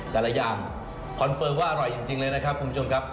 แต่ละอย่างคอนเฟิร์มว่าอร่อยจริงเลยนะครับคุณผู้ชมครับ